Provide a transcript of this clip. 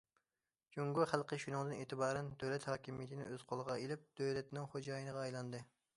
جۇڭگو خەلقى شۇنىڭدىن ئېتىبارەن دۆلەت ھاكىمىيىتىنى ئۆز قولىغا ئېلىپ، دۆلەتنىڭ خوجايىنىغا ئايلاندى.